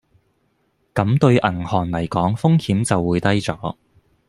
咁對銀行嚟講風險就會低左